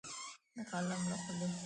د قلم له خولې